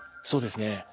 そうですね。